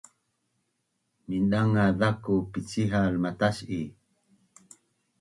Mindangaz zaku pincihal matas’i